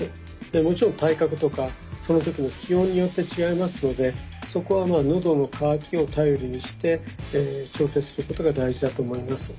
もちろん体格とかその時の気温によって違いますのでそこはのどの渇きを頼りにして調整することが大事だと思います。